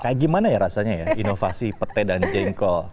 kayak gimana ya rasanya ya inovasi pete dan jengkol